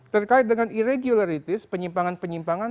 terkait dengan iregularities penyimpangan penyimpangan